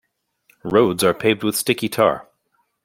Roads are paved with sticky tar.